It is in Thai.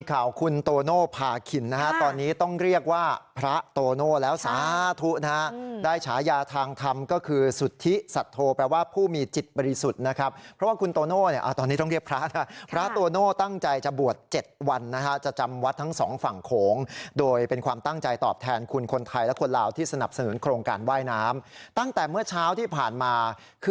ข่าวคุณโตโน่พาขินนะฮะตอนนี้ต้องเรียกว่าพระโตโน่แล้วสาธุนะฮะได้ฉายาทางธรรมก็คือสุทธิสัทโทแปลว่าผู้มีจิตบริสุทธินะครับเพราะว่าคุณโตโน่เนี่ยอ่ะตอนนี้ต้องเรียกพระนะฮะพระโตโน่ตั้งใจจะบวชเจ็ดวันนะฮะจะจำวัดทั้งสองฝั่งโขงโดยเป็นความตั้งใจตอบแทนคุณคนไทยและ